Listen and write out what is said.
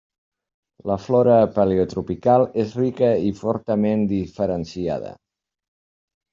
La flora paleotropical és rica i fortament diferenciada.